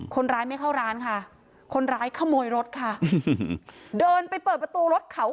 คนร้ายไม่เข้าร้านค่ะคนร้ายขโมยรถค่ะเดินไปเปิดประตูรถเขา